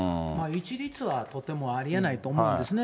一律はとてもありえないと思うんですね。